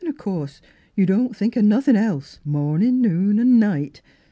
An' o' course you don't think o' nothin' else, momin', noon an' night.